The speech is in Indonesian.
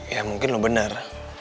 ya mungkin lo bener